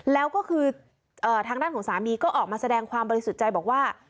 แล้วก็คือทางด้านของสามีก็ออกมาแสดงความบริสุทธิ์ใจบอกว่า